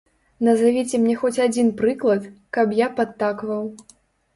Назавіце мне хоць адзін прыклад, каб я падтакваў.